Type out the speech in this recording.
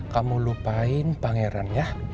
kamu lupain pangeran ya